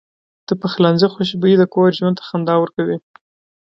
د پخلنځي خوشبويي د کور ژوند ته خندا ورکوي.